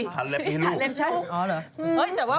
ทาเล็บนี่ลูกใช่อ๋อเหรออืม